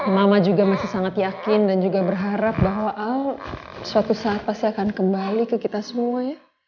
mama juga masih sangat yakin dan juga berharap bahwa oh suatu saat pasti akan kembali ke kita semua ya